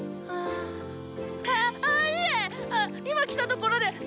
あ今来たところで。